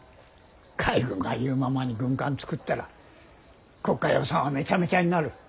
海軍が言うままに軍艦造ったら国家予算はめちゃめちゃになる。